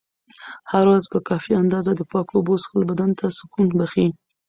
هره ورځ په کافي اندازه د پاکو اوبو څښل بدن ته سکون بښي.